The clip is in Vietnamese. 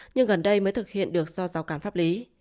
nhưng gần đây mới thực hiện được do giáo cán pháp lý